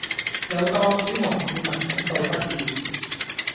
有檔主同市民感到不便